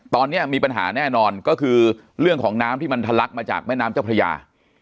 ตอนนี้มีปัญหาแน่นอนก็คือเรื่องของน้ำที่มันทะลักมาจากแม่น้ำเจ้าพระยา